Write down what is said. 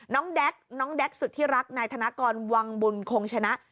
น้องแด๊กน้องแด๊กสุดที่รักนายธนากรวังบุญคงชนะ